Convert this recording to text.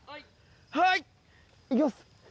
はい行きます。